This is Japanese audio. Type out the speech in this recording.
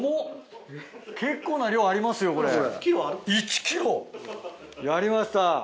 １ｋｇ！やりました。